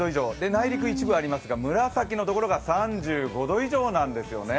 内陸一部ありますが紫の所が３５度以上なんですよね。